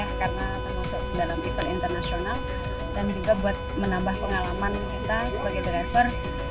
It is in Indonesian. karena termasuk dalam event internasional dan juga buat menambah pengalaman kita sebagai driver